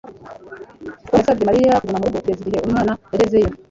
Tom yasabye Mariya kuguma mu rugo kugeza igihe umwana yagezeyo